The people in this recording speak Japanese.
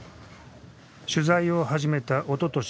取材を始めたおととしの秋。